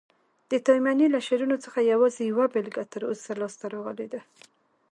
د تایمني له شعرونو څخه یوازي یوه بیلګه تر اوسه لاسته راغلې ده.